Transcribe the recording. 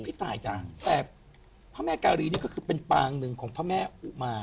พี่ตายจังแต่พระแม่การีนี่ก็คือเป็นปางหนึ่งของพระแม่อุมา